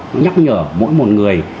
nó nhắc nhở mỗi một người